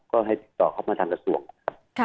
ก็ให้ติดต่อเข้ามาทางกระทรวงนะครับ